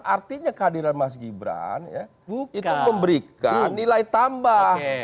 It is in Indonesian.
artinya kehadiran mas gibran itu memberikan nilai tambah